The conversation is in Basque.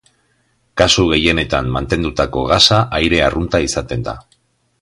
Kasu gehienetan mantendutako gasa aire arrunta izaten da.